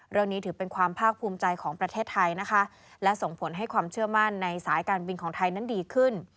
ถือเป็นความภาคภูมิใจของประเทศไทยนะคะและส่งผลให้ความเชื่อมั่นในสายการบินของไทยนั้นดีขึ้น